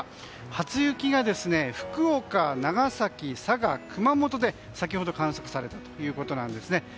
初雪が福岡、長崎、佐賀、熊本で先ほど観測されたということなんですね。